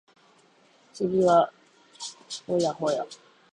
次は保谷保谷